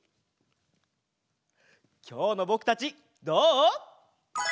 きょうのぼくたちどう？